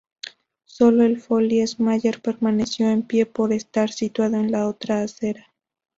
Sólo el Folies-Mayer permaneció en pie por estar situado en la otra acera.